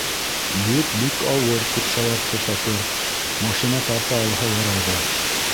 - Йөк бик ауыр, - тип шаяртты шофёр, - машина тарта алһа ярай ҙа.